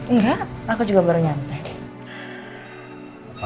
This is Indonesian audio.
enggak aku juga baru nyantai